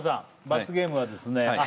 罰ゲームはですね